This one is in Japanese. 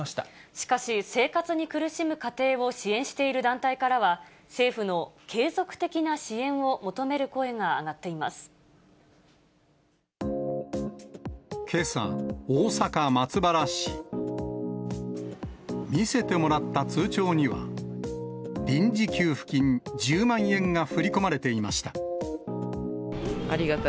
しかし、生活に苦しむ家庭を支援している団体からは、政府の継続的な支援けさ、大阪・松原市。見せてもらった通帳には、臨時給付金１０万円が振り込まれていました。